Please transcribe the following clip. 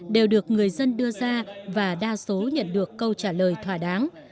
đều được người dân đưa ra và đa số nhận được câu trả lời thỏa đáng